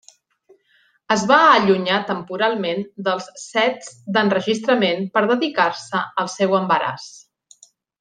Es va allunyar temporalment dels sets d'enregistrament per dedicar-se al seu embaràs.